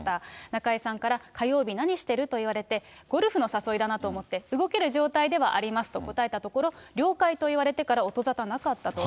中居さんから、火曜日、何してる？と言われて、ゴルフの誘いだなと思って、動ける状態ではありますと答えたところ、了解と言われてから音沙汰がなかったと。